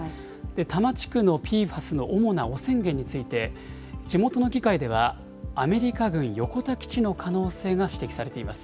多摩地区のＰＦＡＳの主な汚染源について、地元の議会では、アメリカ軍横田基地の可能性が指摘されています。